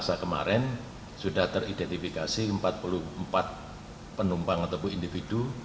selasa kemarin sudah teridentifikasi empat puluh empat penumpang ataupun individu